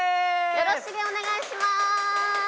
よろしげお願いします。